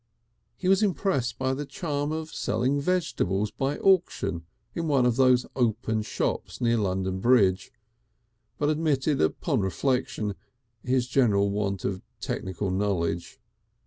He was impressed by the charm of selling vegetables by auction in one of those open shops near London Bridge, but admitted upon reflection his general want of technical knowledge.